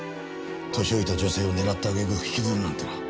年老いた女性を狙った揚げ句引きずるなんてな。